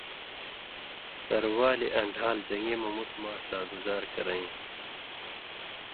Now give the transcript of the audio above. تروالیۡ آں ڈھال جنگی مہ مُت ماݜ لا گُزار کرَیں